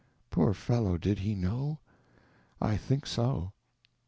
Poor fellow, did he know? I think so.